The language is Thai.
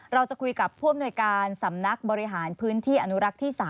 เราจะคุยกับผู้อำนวยการสำนักบริหารพื้นที่อนุรักษ์ที่๓